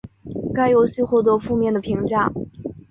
该游戏获得负面的评价。